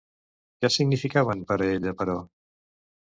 Què significaven per a ella, però?